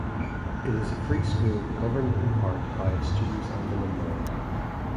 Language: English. It is a "free school" governed in part by its students and alumni.